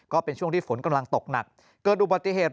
ก็เป็นช่วงที่ฝนกำลังตกหนักเกิดอุบัติเหตุ